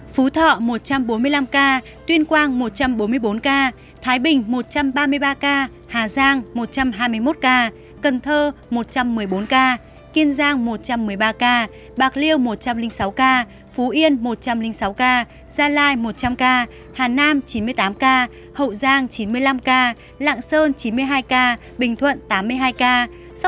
phú thọ một trăm bốn mươi năm ca tuyên quang một trăm bốn mươi bốn ca thái bình một trăm ba mươi ba ca hà giang một trăm hai mươi một ca cần thơ một trăm một mươi bốn ca kiên giang một trăm một mươi ba ca bạc liêu một trăm linh sáu ca phú yên một trăm linh sáu ca gia lai một trăm linh ca hà nam chín mươi tám ca hậu giang chín mươi năm ca lạng sơn chín mươi hai ca bình thuận tám mươi hai ca sóc trăng tám mươi hai ca quảng bình tám mươi ca ninh bình bảy mươi bảy ca lào cai sáu mươi sáu ca yên bái sáu mươi năm ca